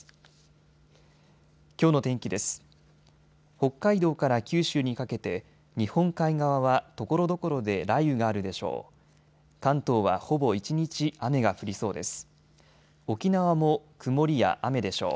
北海道から九州にかけて日本海側はところどころで雷雨があるでしょう。